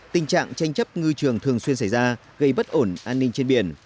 tình trạng tranh chấp ngư trường thường xuyên xảy ra gây bất ổn an ninh trên biển